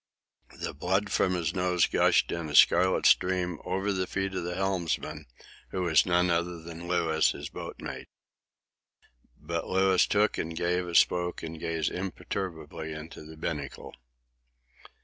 The blood from his nose gushed in a scarlet stream over the feet of the helmsman, who was none other than Louis, his boat mate. But Louis took and gave a spoke and gazed imperturbably into the binnacle.